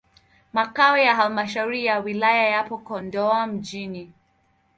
Makao ya halmashauri ya wilaya yapo Kondoa mjini.